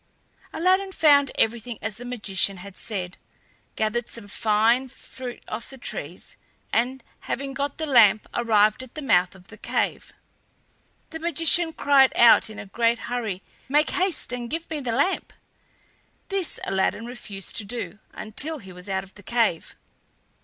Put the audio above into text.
Aladdin found everything as the magician had said, gathered some fruit off the trees, and, having got the lamp, arrived at the mouth of the cave. The magician cried out in a great hurry: "Make haste and give me the lamp." This Aladdin refused to do until he was out of the cave.